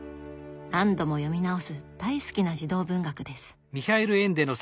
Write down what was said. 何度も読み直す大好きな児童文学です。